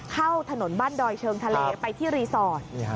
เข้าถนนบ้านดอยเชิงทะเลไปที่รีสอร์ท